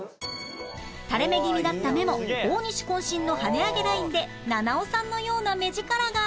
垂れ目気味だった目も大西渾身の跳ね上げラインで菜々緒さんのような目力が